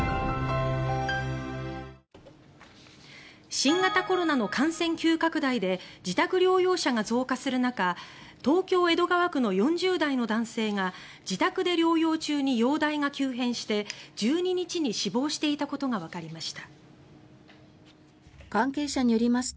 新型コロナの感染急拡大で自宅療養者が増加する中東京・江戸川区の４０代の男性が自宅で療養中に容体が急変して１２日に死亡していたことがわかりました。